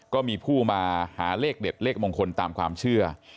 ก็มีผู้มาหาเลขเด็ดเลขมงคลตามความเชื่อ